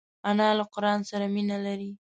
انا له قران سره مینه لري